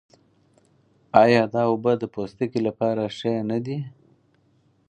آیا دا اوبه د پوستکي لپاره ښې نه دي؟